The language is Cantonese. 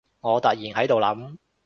我突然喺度諗